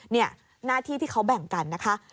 นี่หน้าที่ที่เขาแบ่งกันนะคะ